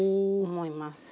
思います。